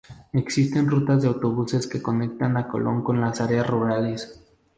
Existen rutas de autobuses que conectan a Colón con las áreas rurales.